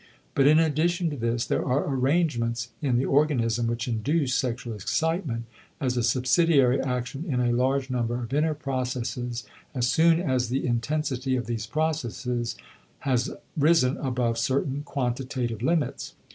But in addition to this there are arrangements in the organism which induce sexual excitement as a subsidiary action in a large number of inner processes as soon as the intensity of these processes has risen above certain quantitative limits.